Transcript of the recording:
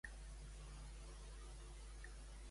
L'Aziz és una activista.